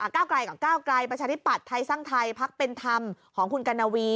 ก้าวไกลกับก้าวไกลประชาธิปัตย์ไทยสร้างไทยพักเป็นธรรมของคุณกัณวี